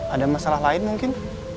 ada masalah lain mungkin